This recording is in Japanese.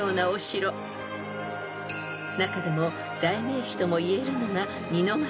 ［中でも代名詞ともいえるのが］